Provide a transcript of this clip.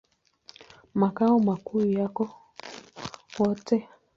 Makao makuu yako Wote.